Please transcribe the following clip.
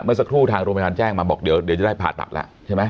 หรือผู้ทางโรงพยาบาลแจ้งมาบอกเหรอเดี๋ยวจะได้ผ่าตัดละใช่ไหม